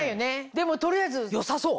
でも取りあえず良さそう！